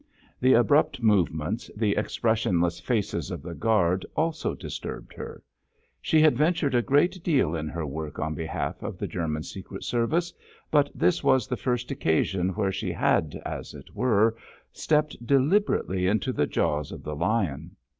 The abrupt movements, the expressionless faces of the guard also disturbed her. She had ventured a great deal in her work on behalf of the German secret service, but this was the first occasion where she had, as it were, stepped deliberately into the jaws of the lion.